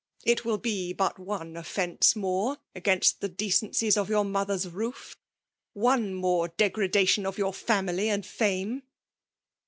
It win be but one olfence more i^inst the decencies of yonr mother's roof^ — one more degradation of your fanuly and fame.